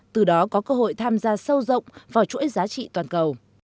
từ đó có cơ hội tham gia sâu rộng vào chuỗi giá trị toàn cầu